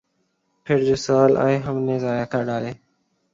پھر جو سال آئے ہم نے ضائع کر ڈالے۔